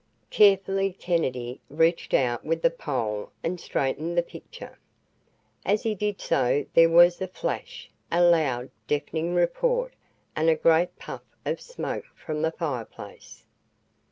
Carefully Kennedy reached out with the pole and straightened the picture. As he did so there was a flash, a loud, deafening report, and a great puff of smoke from the fireplace.